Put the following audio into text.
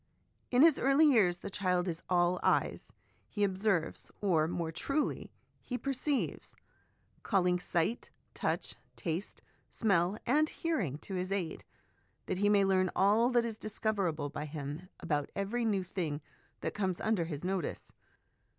In his early years the child is all eyes ; he observes, or, more truly, he perceives, calling sight, touch, taste, smell, and hearing to his aid, that he may learn all that is discoverable by him about every new thing that comes under his notice.